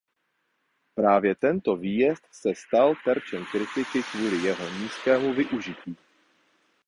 Právě tento výjezd se stal terčem kritiky kvůli jeho nízkému využití.